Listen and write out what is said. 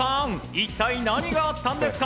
一体何があったんですか？